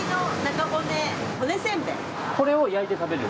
これを焼いて食べる。